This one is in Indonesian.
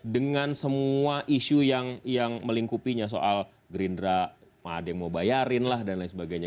dengan semua isu yang melingkupinya soal gerindra pak ade mau bayarin lah dan lain sebagainya